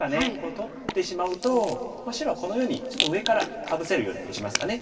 取ってしまうと白はこのようにちょっと上からかぶせるように打ちますかね。